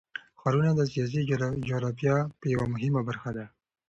ښارونه د سیاسي جغرافیه یوه مهمه برخه ده.